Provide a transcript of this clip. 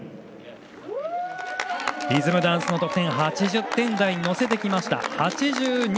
リズムダンスの得点８０点台に乗せてきました。